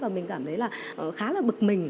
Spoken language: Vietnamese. và mình cảm thấy là khá là bực mình